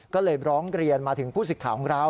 ก็เลยร้องเรียนมาถึงผู้สิทธิ์ของเรา